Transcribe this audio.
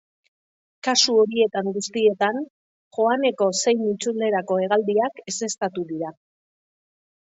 Kasu horietan guztietan, joaneko zein itzulerako hegaldiak ezeztatu dira.